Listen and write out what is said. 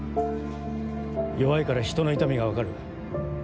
弱いからひとの痛みが分かる。